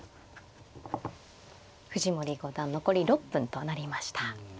藤森五段残り６分となりました。